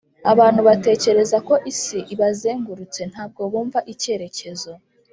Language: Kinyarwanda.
abantu batekereza ko isi ibazengurutse ntabwo bumva icyerekezo